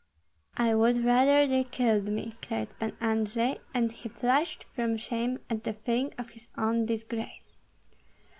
"I would rather they killed me!" cried Pan Andrei; and he flushed from shame and the feeling of his own disgrace.